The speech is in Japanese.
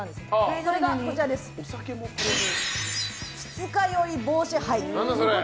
それが、二日酔い防止ハイ。